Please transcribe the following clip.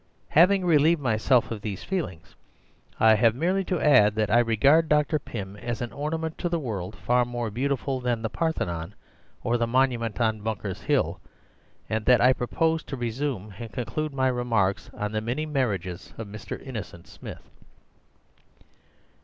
Having relieved myself of these feelings, I have merely to add that I regard Dr. Pym as an ornament to the world far more beautiful than the Parthenon, or the monument on Bunker's Hill, and that I propose to resume and conclude my remarks on the many marriages of Mr. Innocent Smith.